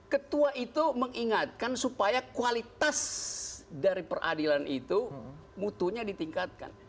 ketua itu mengingatkan supaya kualitas dari peradilan itu mutunya ditingkatkan